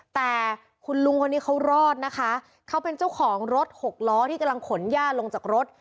แต่คุณลุงคนนี้เขารอดนะคะเขาเป็นเจ้าของรถหกล้อที่กำลังขนย่าลงจากรถ